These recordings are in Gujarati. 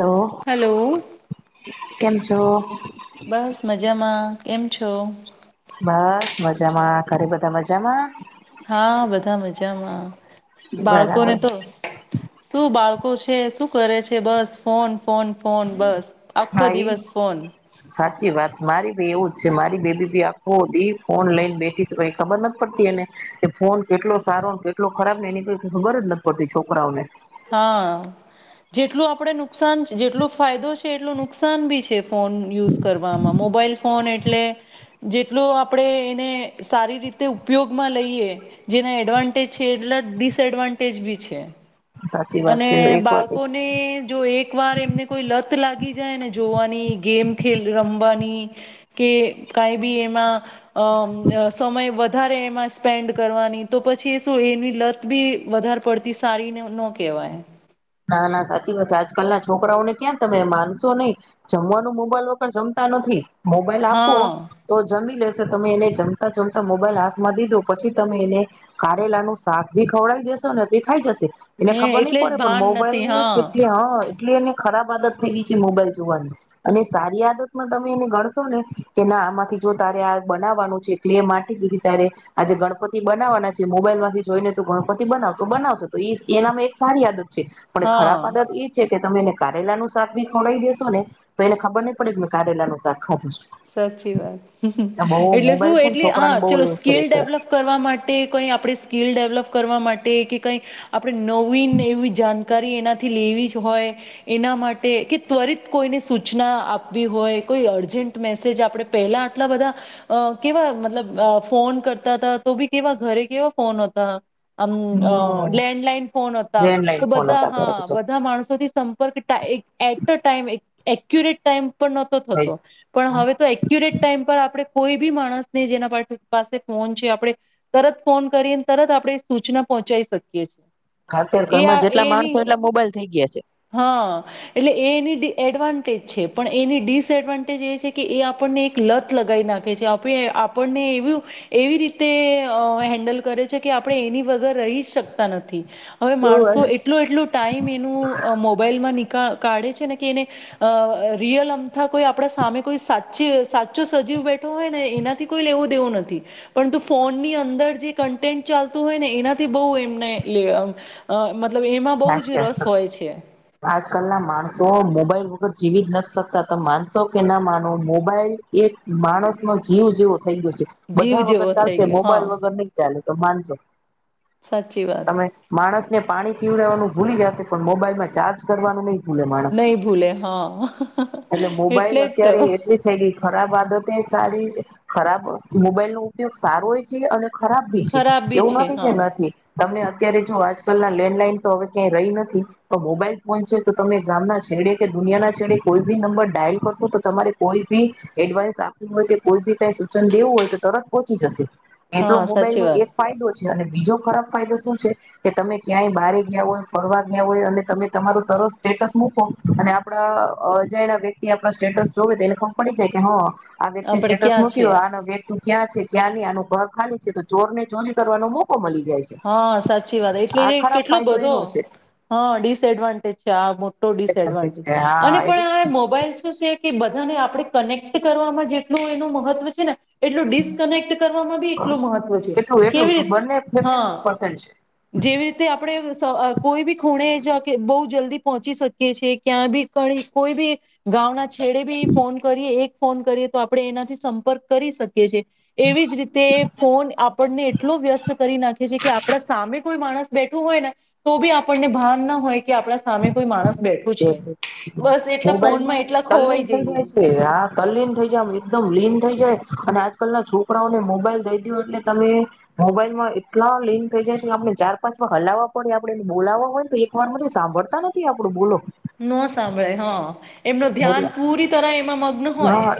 તો હલો કેમ છો બસ મજામાં એમ છ બસ મજામાં ઘરે બધા મજામાં હા બધા મજામાં બરાબર બાળકોને તો શું બાળકો લોકો છે શું કરે છે બસ ફોન ફોન ફોન બસ આખો હા એજ દિવસ ફોન સાચી વાત મારી એવું જ છે મારી બેબી ભી આખો હતી ફોન લઈને બેઠી શ ખબર ન પડતી એને કે ફોન કેટલો સારો કેટલો ખરાબ એ નીકળ ખબર જ ન પડતી છોકરાઓને હા જેટલું આપણે નુકસાન જેટલો ફાયદો છે એટલોું નુકસાન બી છે ફોન યુઝ કરવામાં મોબાઈલ ફોન એટલે જેટલો આપણે એને સારી રીતે ઉપયોગમાં લઈએ જેના એડવાન્ટેજ છે એટલા ડિસએડવાન્ટેજ બી છે સાચી વાત અને છે એક વાત બાળકોને જો એક વાર એમને કોઈ લત લાગી જાય ને જોવાની ગેમ ખેલ રમવાની કે કાંઈ બી એમાં અમ અ સમય વત વધારે એમાં સ્પેન્ડ કરવાની તો પછી એ શું એની લત બી વધારે પડતી સારીને નો કે કેવાય ના, ના સાચી વાત છે, આજકાલના છોકરાઓને ક્યાં તમે માનશો નઈ જમવાનું મોબાઈલ વગર જમતા નથી. મોબાઈલ આપો હા તો જમી લે જો તમે એને જમતા જમતા મોબાઈલ હાથમાં દીધો પછી તમે એને કારેલાનું શાક બી ખવડાવી દેશો ને તો એ ખાઈ જશે. એટલે હે ખબર નઈ પડે જ પણ ભાન મોબાઈલ નથી ની યે હા કેટલી હાં એટલી એને ખરાબ આદત થઈ ગઈ છે મોબાઈલ જોવાની અને સારી આદતમાં તમે એને ગણશો ને કે ના આમાંથી જો તારે આ બનાવવાનું છે, ક્લે માટી દીધી તારે આજે ગણપતિ બનાવવાના છે મોબાઈલમાંથી જોઈને તો ગણપતિ બનાવ, તો બનાવશો તો એ એનામાં એક સારી આદત છે પણ ખરાબ હા. આદત ઈ છે કે તમે એને કારેલાનું શાક બી ખવડાઈ દેસો ને તો એને ખબર નઈ પડે કે મેં કારેલાનું શાક ખાધું છે સાચી બહુ વાત એટલે મોબાઈલ શું છે ને એટલી છોકરાને હાં બહુ ચલો યુઝ કરે સ્કીિલ છે ડેવલપ કરવા માટે કંઈ આપણે સ્કીિલ ડેવલપ કરવા મા ટે કે કઈ આપ પડે નવીને એવી જાન કારી એનાથી લેવી જ હોય એના માટે, કે ત્વરિત કોઈને સૂચના આપવી હોય, કોઈ અર્જન્ટ મેસેજ આપડે પેહલા આટલા બધા અ કેવા મતલબ ફોન કરતા હતા તા તો બી કેવા ઘરે કેવા ફોન અતા. અમ લેન્ડલાઈન ફોન હતા, લેન્ડલાઈન તો ફોન બધા હતા હા બરાબર છે બધા માણસોથી સંપર્ક ટ એટ અ ટાઈમ એ એક્યુરેટ ટાઈમ પણ નહતો થઈ થતો પણ હવે તો એક્યુરેટ ટાઈમ પર આપ આપડે કોઈ બી માણસને જેના પાસે ફોન છે, આપણે તરત ફોન કરીને તરત આપણેે સૂચના પહોંચાઈ શકીએ છ અત્યારે એ ઘરમાં હા એ જેટલા એની માણસો એટલા મોબાઈલ થઈ ગયા હાં એટલે એ એની ડિ એડવાન્ટેજ છે, પણ એની ડિસએડવાન્ટ જે એ છે કે એ આપણને એક લત લગાઈ નાંખે છે, આપે આપણને એવુ એવી રીતે અ હેન્ડલ કરે છે કે આપણે એની વગર રહી જ શકતા નથી. હવે છે માણસો એટલું એટલું ટાઈમ એનું મોબાઈલમાં નીકા કાઢે છેને કે એને અ રિયલ અમથા કોઈ આપડા સામે કોઈ સાચી સાચો સજીવ બેઠો હોય ને એનાથી કોઈ લેવું દેવું નથી, પરંતુ ફોનની અંદર જે કન્ટેન્ટ ચાલતું હોય ને એનાથી બઉ એમને લેવ સાચે છ આજકાલ ના માણસો મોબાઈલ વ ગર જીવી જ નથ શકતા તમ માનસો કે ન માનો મોબાઈલ એક માણસનો જીવ જેવો થઈ ગયું છે, જીવ બધા વગર જેવો થઈ ચાલશે ગયો હા મોબાઈલ વગર નઈ ચાલે, તમ માનશો સાચી વાત તમે માણસને પાણી રેવાનું ભૂલી જાશે પણ મોબાઈલમાં ચાર્જ કરવાનું નઈ ભૂલે માણસ નહી ભૂલે હા એટલે મોબાઈલ જ તો અત્યારે એટલી થઈ ગઈ ખરાબ આદત એ સારી ખરાબ મોબાઈલનો ઉપયોગ સારોય છે અને ખરાબ ભી છે ખરાબ બી એવું છે નથી કે હા નથી તમને અત્યારે જો આજકાલના લેન્ડલાઇન. તો હવે ક્યાંય રહી નથી પણ મોબાઈલ ફોન છે તો તમે ગામના છેડે કે દુનિયા ના છેડે કોઈ બી નંબર ડાયલ કરશો તો તમારે કોઈ બી એડવાઈસ આપવી હોય કે કોઈ બી ક સૂચન દેવું હોય તો તરત પહોંચી જશે એટલો હા મોબાઈલ સાચી નો વાત એક ફાયદો છે, અને બીજો ખરાબ ફાયદો શું છે કે તમે ક્યાંય બારીક યા હોય ફરવા ગયા હોય અને તમે તમારું તરત સ્ટેટસ મૂકો અને આપડા અજાણા વ્યક્તિ આપ સ્ટેટસ જોવે તો એને ફમ પડી જાય કે હ આ વેટ થી આપડે સ્ટેટસ ક્યાં મૂક્યો છીએ આનો વેટ તું ક્યાં છે ક્યાં આનું ઘર ખાલી છે, તો ચોર ને ચોરી કરવાનો મોકો મળી જાય છે હા સાચી વાત આ એટલે કે ખરાબ ફાયદો બધો એનો છે હા ડિસએડવાન્ટેજ છે આ મોટો ડિસએડવાન્ટેજ હા અને પણ આ એટલું મોબાઈલ શું છે કે બધાને આપડણે કનેક્ટ કરવામાં જેટલું એનું મહત્વ છે ને એટલું ડિસ્કનેક્ટ કરવામાં બી એટલું મહત્વ છે કેટલું એટલું કેવી બંને રીતે ફિફ્ટી હા પર્સન્ટ જેવી રીતે આપણે કોઈ બી ખૂણે જ બહુ જલ્દી પહોંચી શકીએ છીએ ક્યાં બી ઘણી કોઈ બી ગામના છેડે ભી ફોન કરીએ એક ફોન કરીએ. તો આપણે એનાથી સંપર્ક કરી શકીએ છીએ. એવી જ રીતે ફોન આપણને એટલો વ્યસ્ત કે આપણા સામે કોઈ માણસ બેઠું હોય ને તો બી આપણને ભાન ના હોય કે આપડા સામે કોઈ માણસ બેઠું છે બસ એટલા મોબાઈલમાં ફોનમાં એટલા ખોવાઈ કલીન થઈ જાય જઈએ છે આ કલીન થઇ જાયમ એકદમ લીન થઇ જાય અને આજકાલના છોકરાઓને મોબાઈલ દઈ દો એટલે તમે મોબાઈલ માં એટલા લીન થઈ જાય છે કે આપણે ચાર પાંચ વાર હલાવવા પડે આપણે એને બોલાવવા હોય ને તો એક વાર થી સાંભળતા નથી આપડું બોલો ન સાંભળે હા એમનું ધ્યાન પૂરી તર એમાં મગ્ન હોય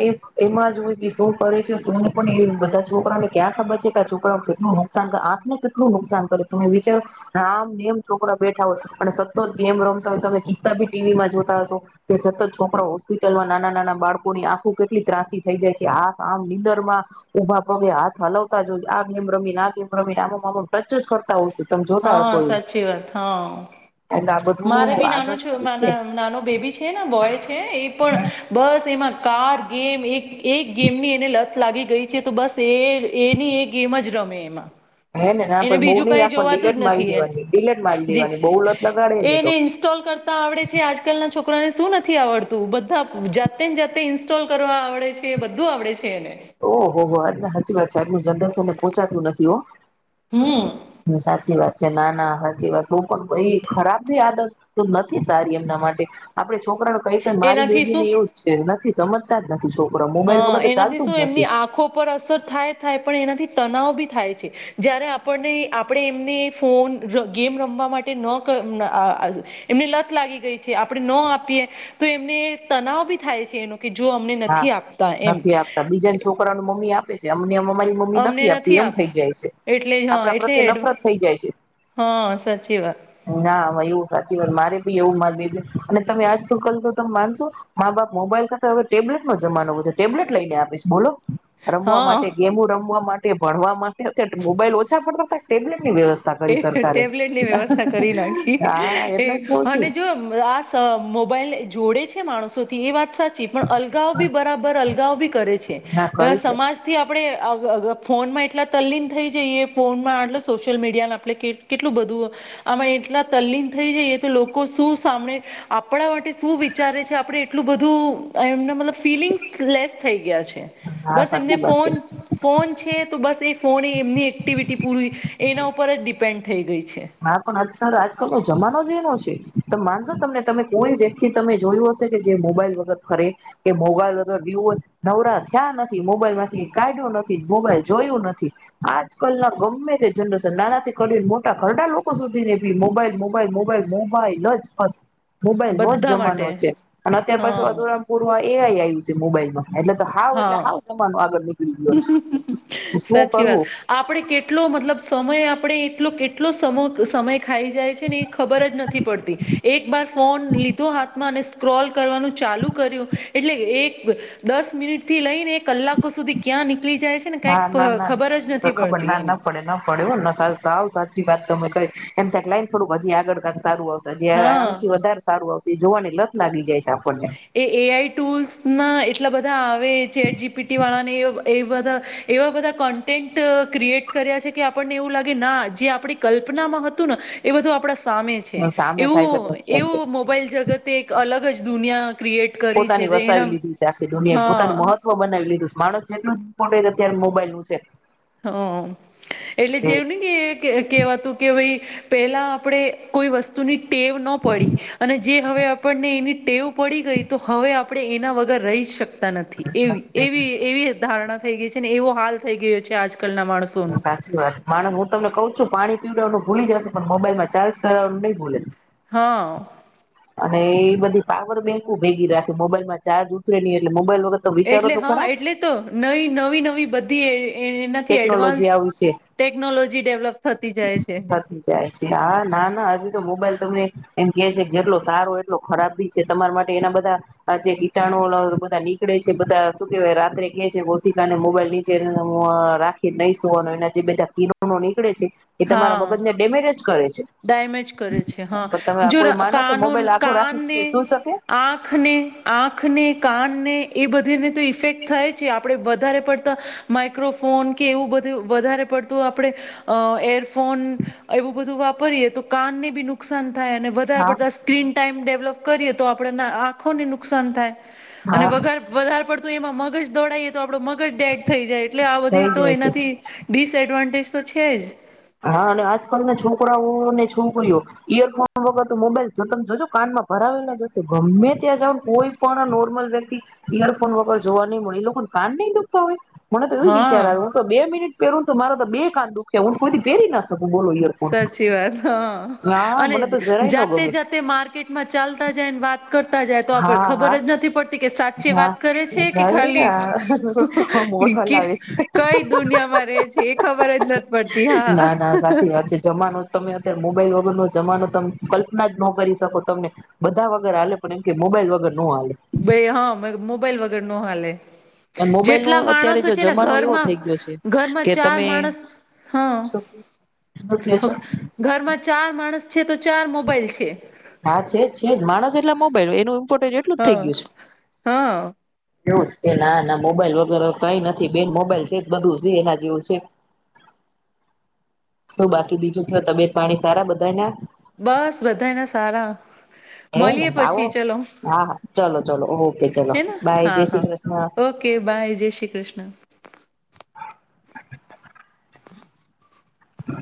કર છેને પણ એ બધા છોકરાને ક્યાં ખાબચ છેે કે આ છોકરાઓને કેટલું નુકસાન કરે આંખને કેટલું નુકસાન કરે તમે વિચારો રામનેમ છોકરા બેઠા હોય અને સતત ગેમ રમતા હોય તમે બી ટીવી માં જોતા હશો કે સતત છોકરા હોસ્પિટલમાં નાના નાના બાળકો ની આંખું કેટલી ત્રાસી થઈ જાય છે આખ આમ નીંદર માં ઉભા પગે હાથ હલાવતા જો આ ગેમ રમીને આ ગેમ રમીને આમ આમ ટચ જ કરતા હોયશે હા સાચી વાત હા એટલે આ મારે બધું બી આદત નાનો, સારી છે નાનો બેબી છે ને બોય છે પણ બસ એમાં કાર ગેમ એક એક ગેમની એને લત લાગી ગઈ છે તો બસ એ એની એ ગેમ જ રમે એમાં હે ને ના પહી એને બહુ બીજું નઈ કઈ રાખવાની ડિલેટ જોવાતું જ મારી નથી એને દેવાની ડિલેટ મારી જી દેવાની બહુ લત લગાડે ને તો એને ઇન્સ્ટોલ કરતા આવડે છે આજકાલ ના છોકરાને શું નથી નથી આવડતું બધું જાતે જતે ોલ કરવા આવડે છે બધું આવડે છે એને ઓહ હો એને સાચી વાત છે આનું જનરેશન ને પોહોંચાતું નથી હો હમ હ સાચી વાત છે ના ના સાચી વાત હું પણ ખરાબી આદત નથી સારી એમના માટે, આપડ છોકરાને કહી મારી એનાથી બેબી ને શું એવું જ છે નથી સમજ જ નથી જો. પરા મોબાઈલ ક હા તો ચાલ એનાથી એમની આંખો પર અસર થાય થાય પણ એના તનાવ બી થાય છે, જય્યારે આપને આપણે એમને ફોન ગેમ રમવા માટે ન એમને લત લાગી ગઈ છે આપણે ન આપીએ, તો એમને તનાવ બી થાય છે એનો. કે જો અમને હા નથી આપ એમ નથી આપતા બીજાને છોકરા ન આપે છેમ રી મમ્મી અમને નથી આપતી એમ આપ થઈ જાય છે, એટલે હા આપડા એટલે પ્રત્યે એડ નફરત થઈ જાય છે, હા સાચી વાત ના એવું સાચી વાત એવું માન અને તમે આજ ક ત માનશો, મા બાપ મોબાઈલ ખ હવે ટેબલેટ નો જમાનો વધ ટેબલેટ લઈને આપીશ બોલો. રમવા હા માટે ગેમું રમવા માટે તે ભણવા માટે મોબાઈલ ઓછા પડતા હતા. એ ટેબ્લેટની વ્યવસ્થા કરી નાખી, હા એ એટલે જ કઉ છું અને જો આ મોબાઈલ જોડે છે માણસો થી એ વાત સાચી પણ અલગા બી બરાબર અલગાઓ બી કરે છે, ના કરી છે સમાજથી આપ આપ ફોનમાં એટલા તલીન થઈ જઈએ ફોનમાં સોશિયલ મીડિયાને આપણે કેટલું બધું, આમાં એટલા તલ્લીન થઈ જઈએ તો લોકો શું સાંભળે, આપણા માટે શું વિચારે છે આપણે એટલું બધું એમના મતલબ ફિલિંગ્સ લેસ થઈ ગયા છે. હા બસ એમને સાચી વાત છે ફ ફોન છે તો બસ ફોન એમની એક્ટિવિટી પૂરી એના ઉપર જ ડીપ સ્ેડ થઈ ગઈ છે. હ પણ આજકાલ આજકાલ હો જમા નો છે, માનશો તમને તમે કોઈ વ્યક્તિ તમે જોયું હશે કે જે મોબાઈલ વગર ખરે, કે મોબાઈલ વગર નવરા થયા નથી નો નો મોબાઈલ માંથી કાઢ્યો નથી મોબાઈલ જોયું નથી, આજકાલ ના ગમે તે જનરેશન નાનાથી કરીને મોટા ઘરડા લોકો સુધી ને પી મોબાઈલ મોબાઈલ મોબાઈલ મોબાઈલ જ બસ. મોબાઈલ નો જ બધા માટે જમાનો છે, અને અત્યાર પછી હા અધુરામ પુર એ આઈ આયુ છે મોબાઈલમાં. એટલે તો હાવ એટલે હા હાવ તમાનું આગળ બી સાચી વાત આપડે કેટલો મતલબ સમય આપણે એટલો એટલો સમ સમય જાય ખબર જ નથી પડતી, એક ફોન લીધો હાથ- ક્રોલ કરવાનું ચાલુ કર્યું, એટલે એક દસ મિનિટ થી લઈને કલાકો સુધી ક્યાં નીકળી જાય છે ને ના કઈક ના ના ખબર જ નથી ખબર પડતી ના એની ના પડે ના પડ સાવ સાચી વાત તમે ક એમ ક્યાંક લાઈને થોડુંક હજી આગળ સારું આવશે જે હા આનાથી વધારે સારું આવશે જોવાને લત નાાગી જાય છે. આપણને એ એ આઈ ટૂલ્સ ના એટલા બધા આવે ચેટ જીપીટી વાળાને એ બધા એવા બધા કન્ટેન્ટ ક્રિએટ કર્યા છે કે આપણને એવું લાગે ના જે આપણી કલ્પનામાં હતું ને એ બધું આપણા સામે છે સામે થાય છે એવું થાય છે એવું મોબાઈલ જગતે એક અલગ જ દુનિયા ક્રિએટ કરી પોતાની છે જે વસાવી એના લીધી છે આખી દુનિયાએ પોતાનું હા મહત્વ બનાવી લીધું છે માણસ જેટલું ઈમ્પોર્ન્ટ છે અત્યારે મોબાઈલ હ છે હમ એટલે જેવું નને કે કેવાતું કે ભાઈ પેલા આપણે કોઈ વસ્તુની ટેવ ના પડી અને જે હવે આપણને એની ટેવ પડી ગઈ તો હવે આપણે એના વગર રહી શક તા નથી એ એવી એવી ધારણા થઈ ગઈ છે ને એવો હાલ થઈ ગયો છે. ચાર્જ સાચી વાત માને હું તમને કઉ છું શું પાણી પીવડવાનું ભૂલી જશે પણ મોબાઈલમાં ચાર્જ કરવાવાનું નહી ભૂલે હા અને એ બધી પાવર બેંક ભેગી રાખે મોબાઈલમાં ચાર્જ ઉતરે નહી એટલે મોબાઈલ વગર તો વિચારો એટલે તો હા ખરા એટલે તો નવી નવી નવી બધી એ ટેકનોલોજી આવ છે ટેકનોલોજી ડેવલપ થતી જાય છે થતી જાય છે હા ના ના હજુ તો મોબાઈલ તમને કે છે જેટલો સારો એટલો ખરાબ બી છે તમારા માટે એના બધા જે કીટાણુ બધા નીકળે છે બધા શું કેહેવાય રાત્રે ક છે કોશિકાને મોબાઈલ નીચે ઉ અ રાખી નહી સુવાનો એના જે બધા કિરણો નીકળે છે એ તમારા મગજ ને ડેમેજ જ કરે છે. ડમેજ કરે છે હા પણ તમે જો કોઈ માનો છો કાનુન મોબાઈલ આખો કાનને રાખી શું શકે આખને આંખને કાન એ બધીને તો ઇફેક્ટ થાય છે આપ વધારે પડતા માઈક્રોફોન કે એવું વધારે પડતું આપણે એરફોન એવું બધું પરીએ તો કાનને ભી નુકસાન થાય અને વધારે હા પડતા સ્ક્રીન ટાઈમ ડેવલપ કરીએ તો આપણે આંખોને નુકસાન થાય. અને હા વગર વધારે પડતું તો એમાં મગજ દોડાઈ તો આપડો મગજ ડેડ થઈ જાય એટલે આ બધી થઈ તો જાય છે એનાથી ડિસડવાન્ટેજ સુ છેજ હા અને આજકાલના છોકરાઓ અને છોકરીઓ ઈયરફોન વગર તો મોબાઈલ જો ત જોજો કાનમાં ભરાવીને જશે ગમે ત્યાં જને કોઈ પણ નોર્મલ વ્યક્તિ ઈયરફોન વગર જોવા નહી મળે એ લોકોને કાન નહી દુખતા હોય મને તો એવું હા વિચાર્યું હું તો બે મિનિટ પેરુંન તું મારે તો બે કાન દુખે હવ. કોઈ થી પેરી ના શ સાચી વાત હા હા અને મને તો જરાય ન જાતે ગમે જાતે માર્કેટમાં ચાલતા જાયને વાત કરતા જાએ તો આપ હા હા ખબર જ નથી પડતી કે સાચી વાત કરે છે કે ખાલી હા મોઢ કી હલાવે છે કઈ દુનિયામાં રહે છે એ ખબર જ નથ પડતી ના ના હા. સાચી વાત છે જમાનો તમે અત્યારે મોબાઈલ વગર નો જમાનો તમે કલ્પના જ ન કરી શકો તમને બધા વગર હાલે પણ એમ કે મોબાઈલ વગર નો હાલે બે હ મ મોબાઈલ વગર ન હાલે. મોબાઈલ નો જેટલા અત્યારે માણસો જો છે ને જમાનો એવો ઘરમાં થઈ ગયો છે ઘરમાં કે ચાર તમે માણસ શું શું કયો હ, છો ઘરમાં ચાર માણસ છે તો ચાર મોબાઈલ છે. હા છે જ છે જ માણસ એટલા મોબાઇલ એનું ફોટે એટલું જ થઈ હા ગ્યું છે. હા એવું જ છે, ના ના મોબાઈલ વગર હવે કઈ નથી બેન મોબાઈલ છે ત તો બધું છે એના જેવું છે, શું બાકી બીજું ક્યો તબેત પાણી સારા બધાએ ના? બસ બધાના સારા હે ને મળીએ આવો પછી ચલો, હા હા ચલો ચલો ઓકે ચલો હેના બાય હા જય હા શ્રી કૃષ્ણ ઓકે, બાય, જય શ્રી કૃષ્ણ. બ